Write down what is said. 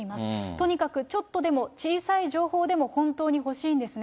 とにかくちょっとでも小さい情報でも本当に欲しいんですね。